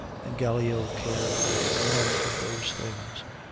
And Gallio cared for none of those things.